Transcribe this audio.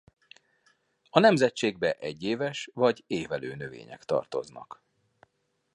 A nemzetségbe egyéves vagy évelő növények tartoznak.